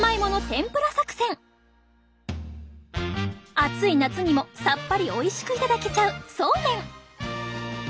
暑い夏にもさっぱりおいしく頂けちゃうそうめん。